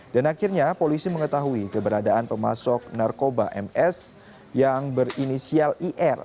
dan akhirnya polisi mengetahui keberadaan pemasok narkoba ms yang berinisial ir